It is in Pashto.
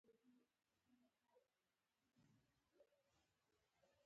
مصنوعي ځیرکتیا د بیان بڼه بدله کوي.